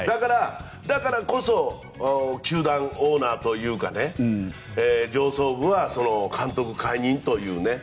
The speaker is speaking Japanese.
だからこそ球団オーナーというか上層部は、監督解任という。